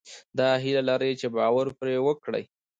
دا هيله لرئ چې باور پرې وکړئ.